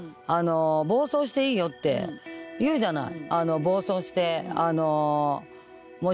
「暴走していいよ」って言うじゃない？